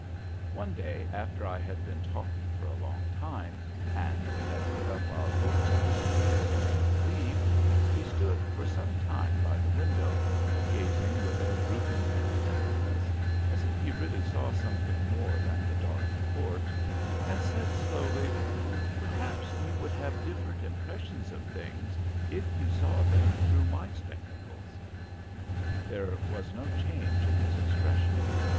One day, after I had been talking for a long time, and we had put up our books, and were preparing to leave, he stood for some time by the window, gazing with a drooping intentness, as if he really saw something more than the dark court, and said slowly: "Perhaps you would have different impressions of things if you saw them through my spectacles." There was no change in his expression.